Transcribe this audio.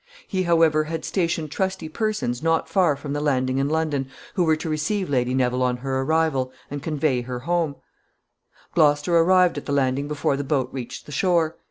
He, however, had stationed trusty persons not far from the landing in London, who were to receive Lady Neville on her arrival and convey her home. [Sidenote: The boat arrives.] Gloucester arrived at the landing before the boat reached the shore.